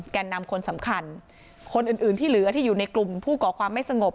แก่นนำคนสำคัญคนอื่นอื่นที่เหลือที่อยู่ในกลุ่มผู้ก่อความไม่สงบ